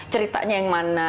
ceritanya yang mana